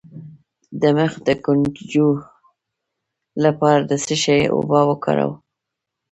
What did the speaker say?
د مخ د ګونځو لپاره د څه شي اوبه وکاروم؟